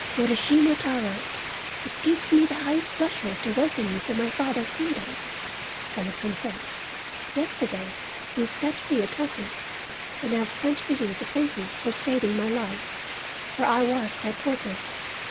"Urashima Taro, it gives me the highest pleasure to welcome you to my father's kingdom," said the Princess. "Yesterday you set free a tortoise, and I have sent for you to thank you for saving my life, for I was that tortoise.